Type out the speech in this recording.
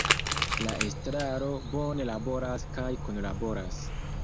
La Estraro bone laboras kaj kunlaboras.